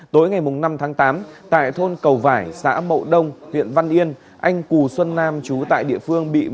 tối ngày năm tháng tám tại thôn cầu vải xã mậu đông huyện văn yên anh cù xuân nam chú tại địa phương bị vỡ